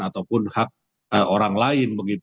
ataupun hak orang lain